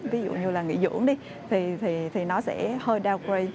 ví dụ như là nghỉ dưỡng đi thì nó sẽ hơi dowray